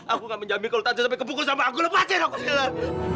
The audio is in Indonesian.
aku gak menjamin kalau tante sampai kepukul sama aku lepasin aku silah